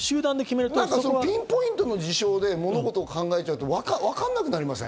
ピンポイントの事象で物事を考えちゃうと、わかんなくなりません？